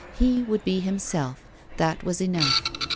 He would be himself, that was enough.